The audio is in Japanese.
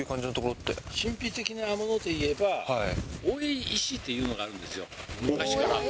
神秘的なものでいえば、王位石というのがあるんですよ、昔から。